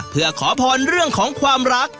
เพื่อขอพรเรื่องของความรัก